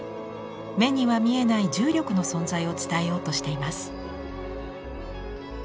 目には見えない重力の存在を伝えようとしています。